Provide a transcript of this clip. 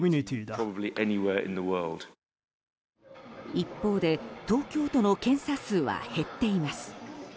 一方で東京都の検査数は減っています。